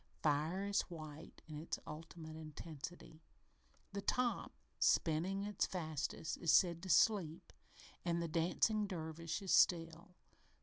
Fire is white in its ultimate intensity. The top, spinning its fastest, is said to "sleep" and the dancing dervish is "still."